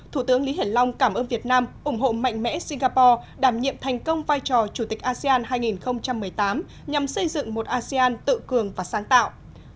thủ tướng lý hiển long cảm ơn việt nam ủng hộ mạnh mẽ singapore đảm nhiệm thành công vai trò chủ tịch asean hai nghìn một mươi tám nhằm xây dựng một asean tự cường và sáng tạo